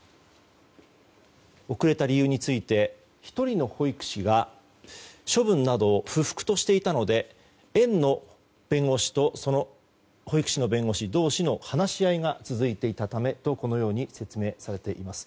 遅れた理由について１人の保育士が処分などを不服としていたので園の弁護士と保育士の弁護士同士の話し合いが続いていたためと説明されています。